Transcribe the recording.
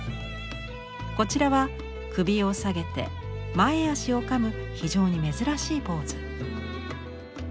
こちらは首を下げて前足をかむ非常に珍しいポーズ。